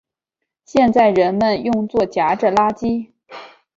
现在人们用作夹着垃圾。